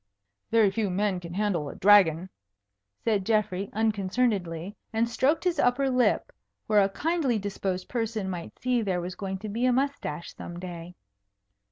"Very few men can handle a dragon," said Geoffrey, unconcernedly, and stroked his upper lip, where a kindly disposed person might see there was going to be a moustache some day.